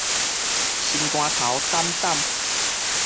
心肝頭膽膽